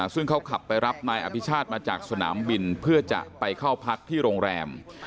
ซึ่งเขาขับไปรับนายอภิชาติมาจากสนามบินเพื่อจะไปเข้าพักที่โรงแรม